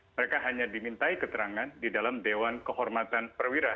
mereka hanya dimintai keterangan di dalam dewan kehormatan perwira